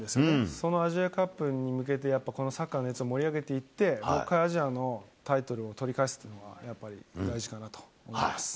そのアジアカップに向けて、やっぱ、このサッカーの熱を盛り上げていって、もう一回、アジアのタイトルを取り返すというのは大事かなと思います。